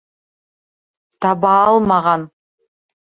Таба алмаған!